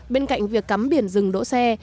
bên cạnh việc cấm biển rừng đỗ xe